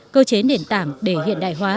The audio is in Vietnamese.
cơ chế nền tảng để hiện đại hóa